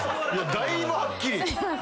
だいぶはっきり。